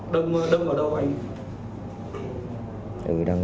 đông ở đâu anh